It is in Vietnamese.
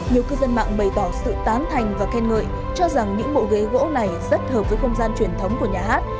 nhiều cư dân mạng bày tỏ sự tán thành và khen ngợi cho rằng những bộ ghế gỗ này rất hợp với không gian truyền thống của nhà hát